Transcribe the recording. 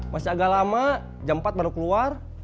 masih agak lama jam empat baru keluar